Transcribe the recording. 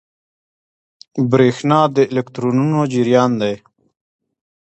برېښنا د الکترونونو جریان دی.